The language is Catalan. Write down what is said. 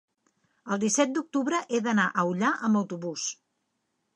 el disset d'octubre he d'anar a Ullà amb autobús.